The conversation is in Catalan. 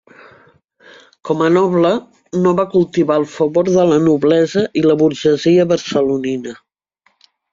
Com a noble, no va cultivar el favor de la noblesa i la burgesia barcelonina.